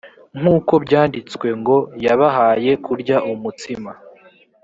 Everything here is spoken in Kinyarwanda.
nk uko byanditswe ngo yabahaye kurya umutsima